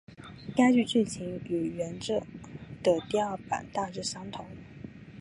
其剧剧情与原着的第二版大致相同。